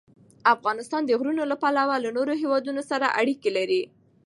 افغانستان د غرونه له پلوه له نورو هېوادونو سره اړیکې لري.